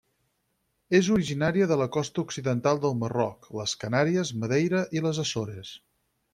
És originària de la costa occidental del Marroc, les Canàries, Madeira i les Açores.